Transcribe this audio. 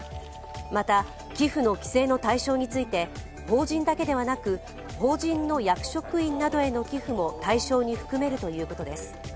また、寄付の規制の対象について法人だけではなく、法人の役職員などへの寄付も対象に含めるということです。